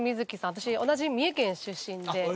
私同じ三重県出身で。